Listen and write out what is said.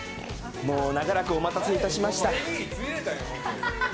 もう長らくお待たせいたしました。